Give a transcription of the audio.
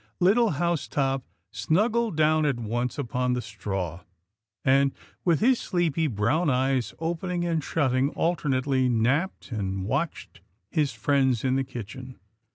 Little Housetop snuggled down at once upon the straw, and, with his sleepy brown eyes open ing and shutting, alternately napped, and watched his friends in the kitchen.